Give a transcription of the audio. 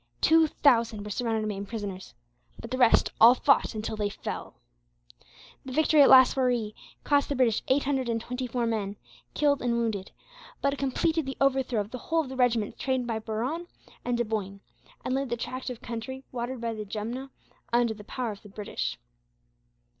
Two thousand were surrounded and made prisoners, but the rest all fought until they fell. The victory of Laswaree cost the British eight hundred and twenty four men, killed and wounded; but it completed the overthrow of the whole of the regiments trained by Perron and de Boigne, and laid the tract of country watered by the Jumna under the power of the British.